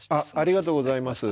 ありがとうございます。